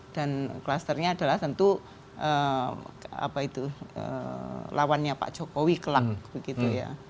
dan klasternya adalah tentu apa itu lawannya pak jokowi kelak begitu ya